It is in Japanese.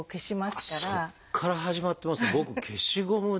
そこから始まってますね。